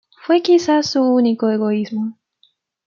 Fue quizás su único egoísmo.